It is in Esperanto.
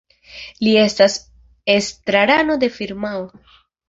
Li estas estrarano de firmao.